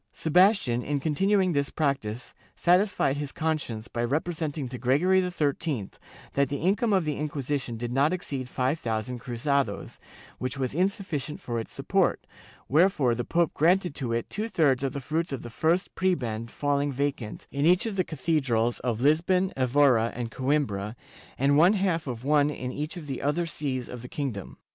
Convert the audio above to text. Sebastian, in continuing this practice, satisfied his conscience by representing to Gregory XIII that the income of the Inquisition did not exceed 5000 cruzados, which was insufficient for its support, wherefore the pope granted to it two thirds of the fruits of the first prebend falling vacant in each of the Cathedrals of Lisbon, Evora and Coimbra and one half of one in each of the other sees of the king dom.